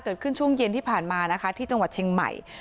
เกิดขึ้นช่วงเย็นที่ผ่านมานะคะที่จังหวัดเชียงใหม่